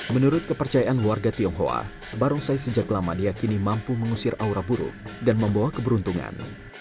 menurut kepercayaan warga tionghoa barongsai sejak lama diakini mampu mengusir aura buruk dan membawa keberuntungan